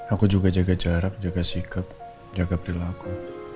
aku juga jaga jarak jaga sikap jaga perilaku